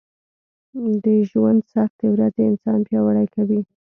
د ژونــد سختې ورځې انـسان پـیاوړی کوي